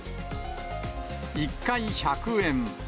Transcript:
１回１００円。